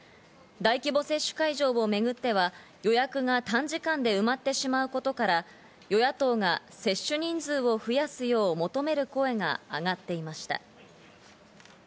大規模接種会場をめぐっては予約が短時間で埋まってしまうことから、与野党が接種人数を増やすよう求める声があがっていました。